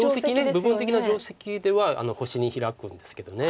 部分的な定石では星にヒラくんですけど。